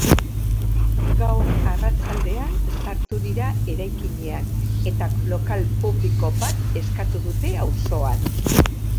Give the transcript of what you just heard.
Gaur arratsaldean sartu dira eraikinean, eta lokal publiko bat eskatu dute auzoan.